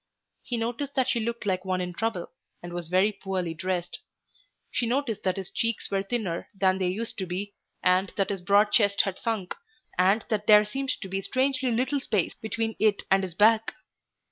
He noticed that she looked like one in trouble, and was very poorly dressed. She noticed that his cheeks were thinner than they used to be, and that his broad chest had sunk, and that there seemed to be strangely little space between it and his back.